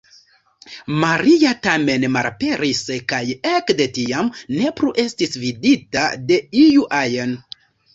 Maria tamen malaperis kaj ekde tiam ne plu estis vidita de iu ajn.